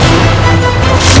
jangan lupa untuk berlangganan